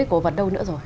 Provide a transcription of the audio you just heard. cái cổ vật đâu nữa rồi